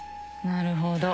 なるほど。